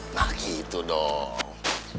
nah gitu dong